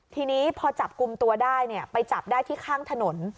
ทีนี้พอจับกลุ่มตัวได้ไปจับได้ที่ข้างถนน